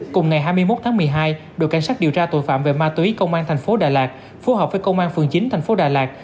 cùng ngày hai mươi một tháng một mươi hai đội cảnh sát điều tra tội phạm về ma túy công an tp đà lạt phù hợp với công an phường chín tp đà lạt